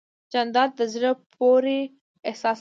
جانداد د زړه پوره احساس لري.